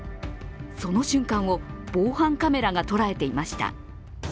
その瞬間を防犯カメラが捉えていました。